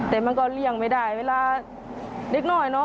แต่มันก็เลี่ยงไม่ได้เวลาเล็กน้อยเนาะ